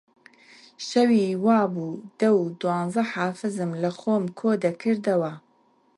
شەوی وا بوو دە و دوازدە حافزم لەخۆم کۆ دەکردەوە